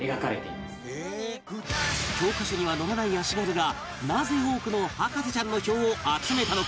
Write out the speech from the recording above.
教科書には載らない足軽がなぜ多くの博士ちゃんの票を集めたのか？